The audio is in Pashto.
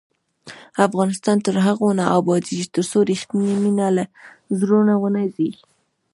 افغانستان تر هغو نه ابادیږي، ترڅو رښتینې مینه له زړونو ونه وځي.